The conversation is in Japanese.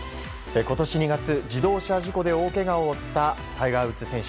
今年２月自動車事故で大けがを負ったタイガー・ウッズ選手。